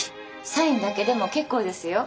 サインだけでも結構ですよ。